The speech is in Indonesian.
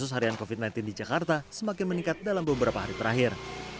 kasus harian covid sembilan belas di jakarta semakin meningkat dalam beberapa hari terakhir